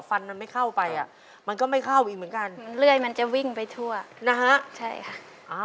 ฟันมันไม่เข้าไปอ่ะมันก็ไม่เข้าอีกเหมือนกันมันเลื่อยมันจะวิ่งไปทั่วนะฮะใช่ค่ะอ่า